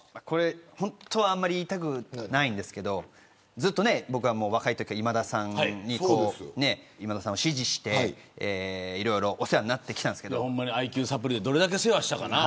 本当はあんまり言いたくないんですけど僕は若いころからずっと今田さんに今田さんに師事していろいろお世話になってきたんですけどＩＱサプリでどれだけ世話したか。